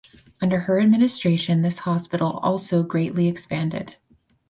Under her administration this hospital also greatly expanded.